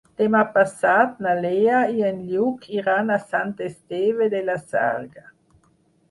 Demà passat na Lea i en Lluc iran a Sant Esteve de la Sarga.